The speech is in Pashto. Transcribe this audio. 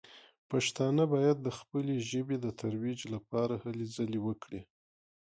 پښتانه باید د خپلې ژبې د ترویج لپاره هلې ځلې وکړي.